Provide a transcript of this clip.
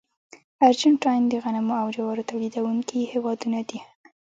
ارجنټاین د غنمو او جوارو تولیدونکي هېوادونه دي.